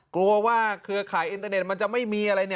กลัวว่าเครือข่ายอินเตอร์เน็ตมันจะไม่มีอะไร